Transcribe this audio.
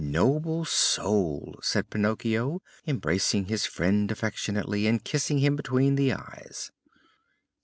"Noble soul!" said Pinocchio, embracing his friend affectionately and kissing him between the eyes.